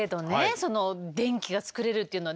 その電気が作れるっていうのは。